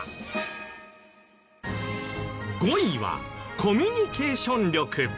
５位はコミュニケーション力。